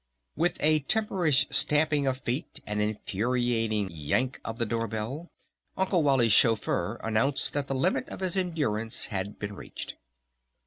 With a temperish stamping of feet, an infuriate yank of the door bell, Uncle Wally's chauffeur announced that the limit of his endurance had been reached.